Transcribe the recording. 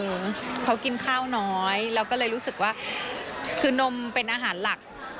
เขากินข้าวน้อยเราก็เลยรู้สึกว่าคือนมเป็นอาหารหลัก